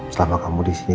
selama kamu disini